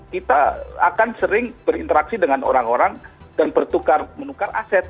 kita akan sering berinteraksi dengan orang orang dan bertukar menukar aset